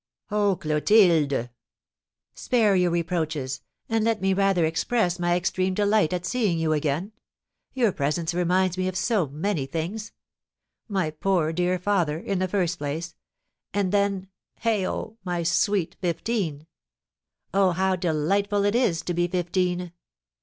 '" "Oh, Clotilde!" "Spare your reproaches, and let me rather express my extreme delight at seeing you again: your presence reminds me of so many things, my poor dear father, in the first place, and then heigho! my 'sweet fifteen!' Oh, how delightful it is to be fifteen!"